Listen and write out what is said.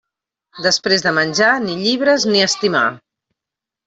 Després de menjar, ni llibres ni estimar.